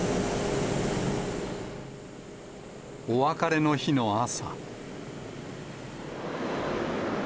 お別れの日の朝。